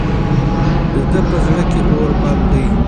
د ده په زړه کې اور بل دی.